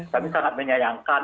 kami sangat menyayangkan